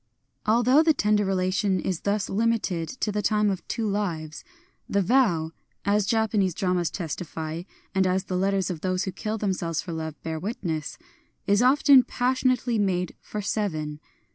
Although the tender relation is thus limited to the time of two lives, the vow — (as Japa nese dramas testify, and as the letters of those who kill themselves for love bear witness) — is often passionately made for seven.